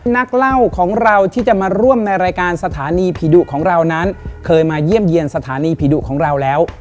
นักเล่าของเราที่จะมาร่วมในรายการสถานีผีดุของเรานั้นเคยมาเยี่ยมเยี่ยมสถานีผีดุของเราแล้ว